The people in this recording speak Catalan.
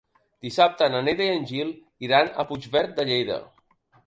Dissabte na Neida i en Gil iran a Puigverd de Lleida.